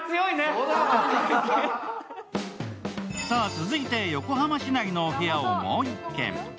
さあ、続いて横浜市内のお部屋をもう１軒。